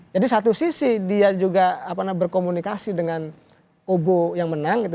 jadi satu sisi dia juga berkomunikasi dengan obo yang menang gitu